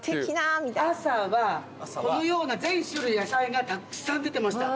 朝はこのような全種類野菜がたくさん出てました。